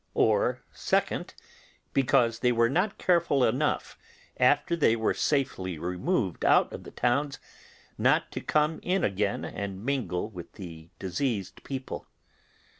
Or (2) because they were not careful enough, after they were safely removed out of the towns, not to come in again and mingle with the diseased people.